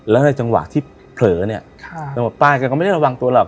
แล้วในจังหวะที่เผลอเนี่ยระบบป้ายแกก็ไม่ได้ระวังตัวหรอก